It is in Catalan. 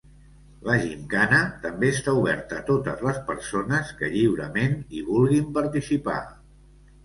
La gimcana també està oberta a totes les persones que lliurement hi vulguin participar.